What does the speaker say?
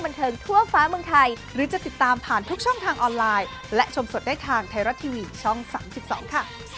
บรรเทิร์นไทยรัก